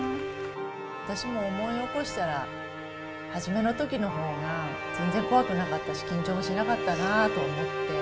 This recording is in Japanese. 私も思い起こしたら、初めのときのほうが全然怖くなかったし、緊張もしなかったなと思って。